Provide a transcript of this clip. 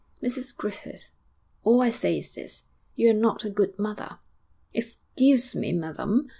'Mrs Griffith, all I say is this you are not a good mother.' 'Excuse me, madam.'...